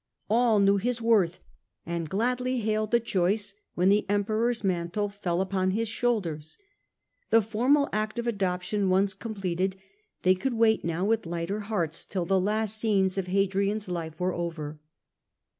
All knew his worth, and gladly hailed the choice when the Emperor's mantle fell upon his shoulders ; the formal act of adoption once completed, they could wait now with lighter hearts till the last scenes of Hadrian's life were over.